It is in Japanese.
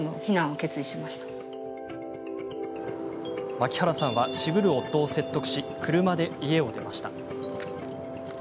槙原さんは、渋る夫を説得し車で家を出ました。